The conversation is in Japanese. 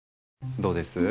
どうです？